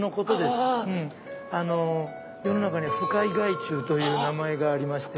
あの世の中には不快害虫という名前がありまして。